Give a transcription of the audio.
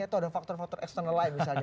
atau ada faktor faktor eksternal lain misalnya